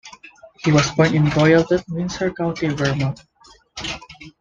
He was born in Royalton, Windsor County, Vermont.